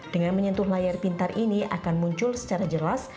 dengan menyentuh layar pintar ini akan muncul secara jelas